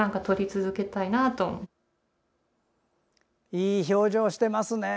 いい表情してますね。